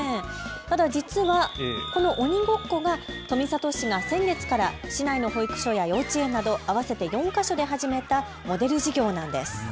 ただ実はこの鬼ごっこが富里市が先月から市内の保育所や幼稚園など合わせて４か所で始めたモデル事業なんです。